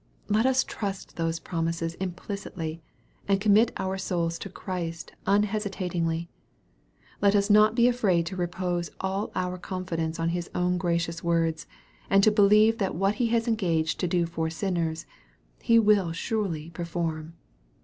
Let us trust those promises implicitly, and commit our souls to Christ unhesitatingly. Let us not be afraid to repose all our confidence on His own gracious words, and to believe that what He has engaged to do for sinners, He will surely perform.